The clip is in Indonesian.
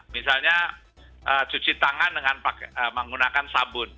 misalnya cuci tangan dengan menggunakan sabun